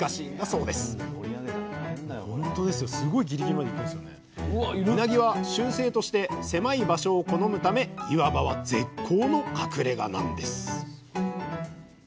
うなぎは習性として狭い場所を好むため岩場は絶好の隠れがなんです